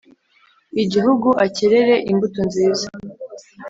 igihugu akerere imbuto nziza